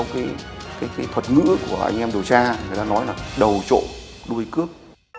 còn ba vụ việc này thì theo cái thuật ngữ của anh em điều tra người ta nói là đầu trộn đuôi cướp